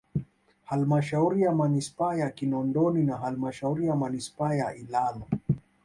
Halmashauri ya Manispaa ya Kinondoni na halmasahauri ya manispaa ya Ilala